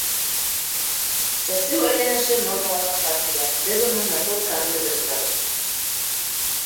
Сәсеү әйләнеше нормаларға тап килә, беҙ уны ныҡлы контролдә тотабыҙ.